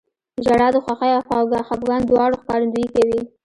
• ژړا د خوښۍ او خفګان دواړو ښکارندویي کوي.